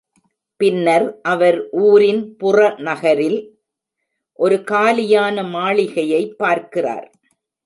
பின்னர் அவர் ஊரின் புறநகரில் ஒரு காலியான மாளிகையைப் பார்க்கிறார்.